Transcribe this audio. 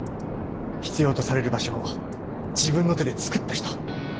必要とされる場所を自分の手でつくった人。